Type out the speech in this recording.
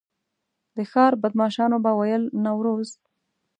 د ښار بدمعاشانو به ویل نوروز.